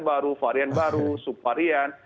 baru varian baru sub varian